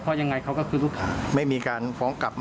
เออนะครับ